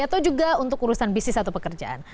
atau juga untuk urusan bisnis atau pekerjaan